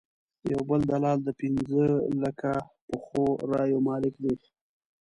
یو بل دلال د پنځه لکه پخو رایو مالک دی.